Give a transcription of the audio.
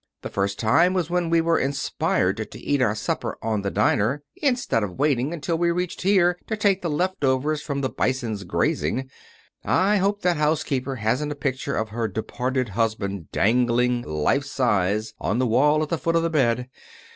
The first time was when we were inspired to eat our supper on the diner instead of waiting until we reached here to take the leftovers from the Bisons' grazing. I hope that housekeeper hasn't a picture of her departed husband dangling, life size, on the wall at the foot of the bed.